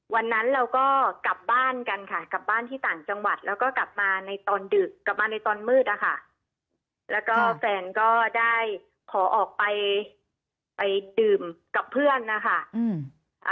วันนั้นเราก็กลับบ้านกันค่ะกลับบ้านที่ต่างจังหวัดแล้วก็กลับมาในตอนดึกกลับมาในตอนมืดอะค่ะแล้วก็แฟนก็ได้ขอออกไปไปดื่มกับเพื่อนนะคะอืมอ่า